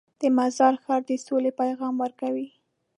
د مزار ښار د سولې پیغام ورکوي.